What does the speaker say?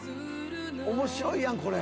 面白いやんこれ。